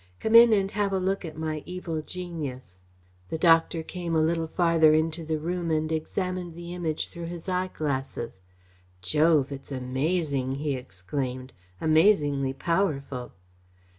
Come in and have a look at my evil genius." The doctor came a little farther into the room and examined the Image through his eyeglasses. "Jove, it's amazing," he exclaimed; "amazingly powerful!"